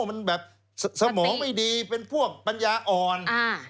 มันแบบสมองไม่ดีเป็นพวกปัญญาอ่อน